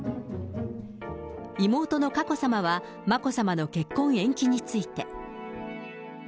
妹の佳子さまは眞子さまの結婚延期について。